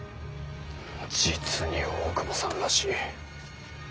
実に大久保さんらしい。